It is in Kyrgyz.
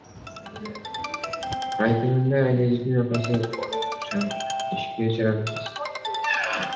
Айтымында, Айназиктин атасы оорукчан, ишке жарамсыз.